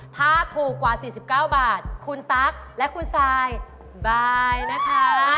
ถ้าถูกกว่า๔๙บาทคุณตั๊กและคุณซายบายนะคะ